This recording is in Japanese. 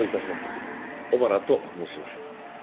小原と申します。